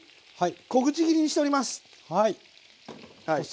小口切りにしております。